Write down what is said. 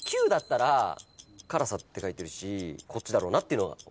９だったら辛さって書いてるしこっちだろうなっていうのは。